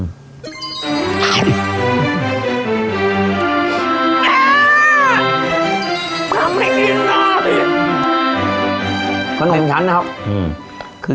พ่อไม่กินเลยขนมฉันนะครับอืม